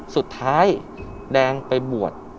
สุดท้ายแดงไปบวช